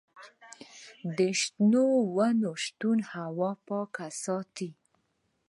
د شنو ونو شتون هوا پاکه ساتي.